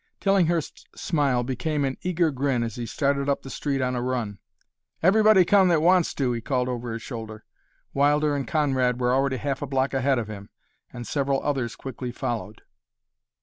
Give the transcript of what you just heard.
Tillinghurst's smile became an eager grin as he started up the street on a run. "Everybody come that wants to," he called over his shoulder. Wilder and Conrad were already half a block ahead of him, and several others quickly followed.